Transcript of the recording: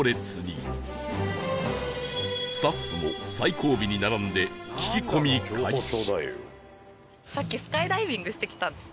スタッフも最後尾に並んで聞き込み開始